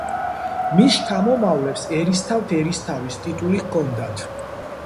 მის შთამომავლებს ერისთავთ-ერისთავის ტიტული ჰქონდათ.